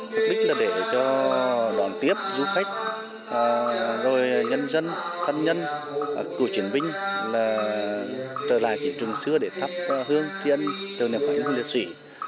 mục đích là để cho đoàn tiếp du khách rồi nhân dân thân nhân cựu chiến binh trở lại chỉ trường xưa để thắp hương trị ân tưởng niệm các anh hùng liệt sĩ